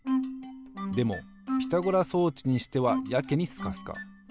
でもピタゴラ装置にしてはやけにスカスカ。